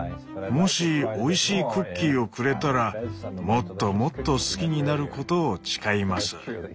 もしおいしいクッキーをくれたらもっともっと好きになることを誓います。